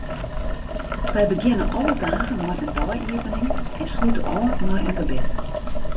Wy begjinne alle dagen mei in dei-iepening en slute ôf mei in gebed.